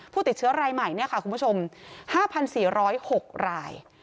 ผู้ติดเชื้อรายใหม่คุณผู้ชม๕๔๐๖ราย